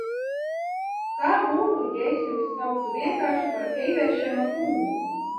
Kā būtu, ja es jūs sauktu vienkārši par Heiveršema kungu?